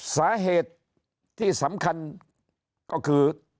สาเหตุที่สำคัญก็คือ